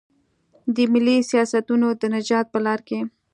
د ملي سیاستونو د نجات په لار کې.